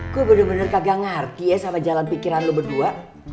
ku bener bener kagak ngerti ya sama jalan pikiran lo berdua